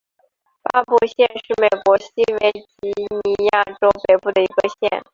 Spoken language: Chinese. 巴伯县是美国西维吉尼亚州北部的一个县。